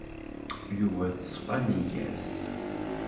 Yuba teṣfa nneyya-s.